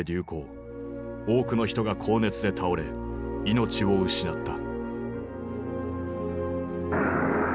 多くの人が高熱で倒れ命を失った。